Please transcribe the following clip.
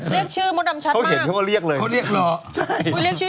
เรียกชื่อมดดำชัดเขาเห็นเขาก็เรียกเลยเขาเรียกล้อใช่เขาเรียกชื่อ